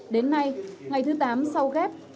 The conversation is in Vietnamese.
đến nay ngày thứ tám sau ghép